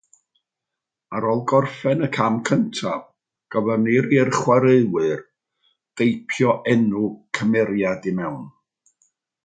Ar ôl gorffen y cam cyntaf, gofynnir i'r chwaraewyr deipio enw cymeriad i mewn.